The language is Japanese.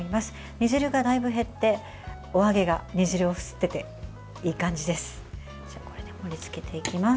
煮汁が、だいぶ減ってお揚げが煮汁を吸ってていい感じです。